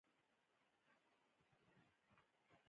موټر د پرمختګ نښه ده.